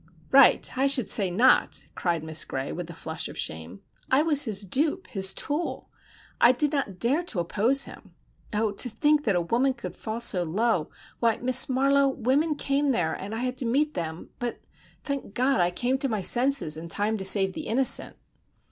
"Right! I should say not!" cried Miss Gray with a flush of shame. "I was his dupe, his tool! I did not dare to oppose him! Oh, to think that a woman could fall so low—why, Miss Marlowe, women came there and I had to meet them; but, thank God, I came to my senses in time to save the innocent!"